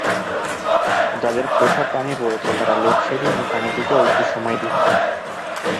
যাদের পোষা প্রাণী রয়েছে, তারা লোডশেডিংয়ে প্রাণীটিকেও একটু সময় দিন।